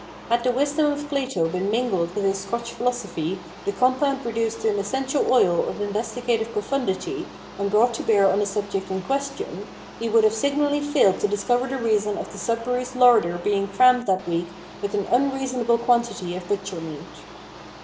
Had the wisdom of Plato been mingled with his Scotch philosophy, the compound reduced to an essential oil of investigative profundity, and brought to bear on the subject in question, he would have signally failed to discover the reason of the Sudberrys' larder being crammed that week with an unreasonable quantity of butcher meat.